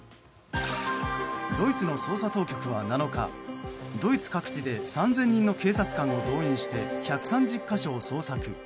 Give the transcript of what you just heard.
ドイツの捜査当局は７日ドイツ各地で３０００人の警察官を動員して１３０か所を捜索。